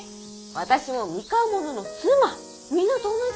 私も三河者の妻皆と同じ。